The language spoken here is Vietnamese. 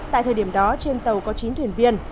tại thời điểm đó trên tàu có chín thuyền viên